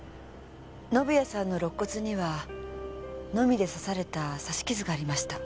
宣也さんの肋骨にはのみで刺された刺し傷がありました。